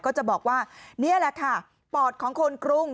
ก็จะบอกว่านี่แหละค่ะปอดของคนกรุง